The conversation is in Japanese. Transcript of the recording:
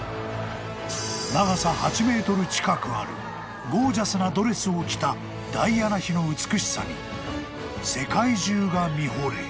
［長さ８ｍ近くあるゴージャスなドレスを着たダイアナ妃の美しさに世界中が見ほれ］